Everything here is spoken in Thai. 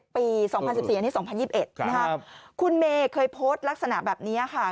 ปี๒๐๑๔อันนี้๒๐๒๑นะครับคุณเมย์เคยโพสต์ลักษณะแบบนี้ค่ะ